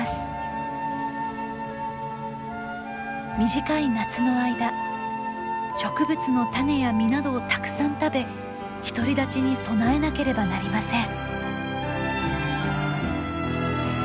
短い夏の間植物の種や実などをたくさん食べ独り立ちに備えなければなりません。